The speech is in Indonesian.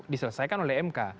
diselesaikan oleh mk